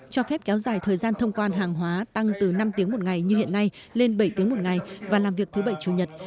cho phép kéo dài thời gian thông quan hàng hóa tăng từ năm tiếng một ngày như hiện nay lên bảy tiếng một ngày và làm việc thứ bảy chủ nhật